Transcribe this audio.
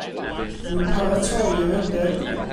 Rwy'n paratoi i redeg.